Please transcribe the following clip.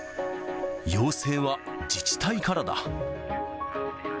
要請は自治体からだ。